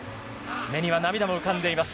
目には涙も浮かんでいます。